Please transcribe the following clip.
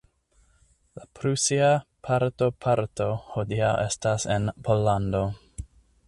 La prusia parto parto hodiaŭ estas en Pollando.